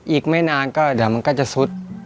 อีกไม่นานก็เดี๋ยวมันก็จะซุด